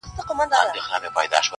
که نن نه وي جانانه سبا کلي ته درځمه -